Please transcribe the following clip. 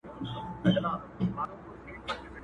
چي دا کلونه راته وايي نن سبا سمېږي.!